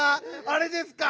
「あれ」ですか？